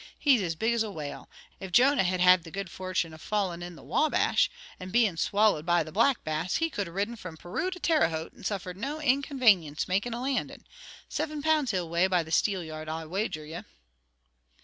He's as big as a whale. If Jonah had had the good fortune of falling in the Wabash, and being swallowed by the Black Bass, he could have ridden from Peru to Terre Haute, and suffered no inconvanience makin' a landin'. Siven pounds he'll weigh by the steelyard I'll wager you."